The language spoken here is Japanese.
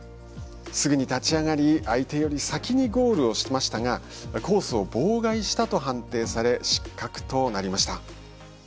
すぐに立ち上がり相手より先にゴールをしましたがコースを妨害したと判定され失格となりました。